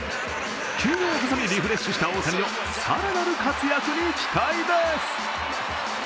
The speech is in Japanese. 休養を挟み、リフレッシュした大谷の更なる活躍に期待です。